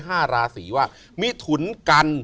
ห้าราศีว่ามีถุนกัน